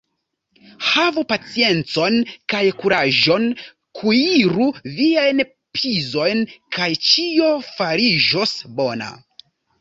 Havu paciencon kaj kuraĝon, kuiru viajn pizojn, kaj ĉio fariĝos bona.